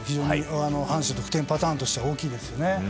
阪神の得点パターンとしては大きいですよね。